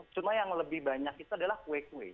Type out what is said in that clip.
cuma yang lebih banyak itu adalah kue kue